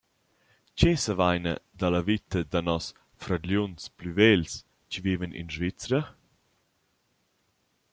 Che savaina da la vita da nos «fradgliuns plü vegls» chi vivan in Svizra?